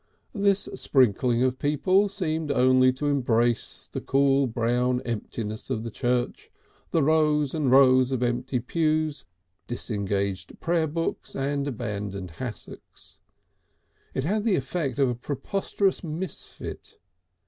This sprinkling of people seemed only to enhance the cool brown emptiness of the church, the rows and rows of empty pews, disengaged prayerbooks and abandoned hassocks. It had the effect of a preposterous misfit.